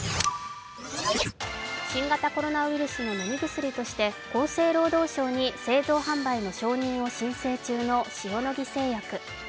新型コロナウイルスの飲み薬として厚生労働省に製造販売の承認を申請中の塩野義製薬。